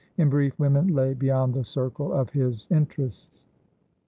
In brief, women lay beyond the circle of his interests.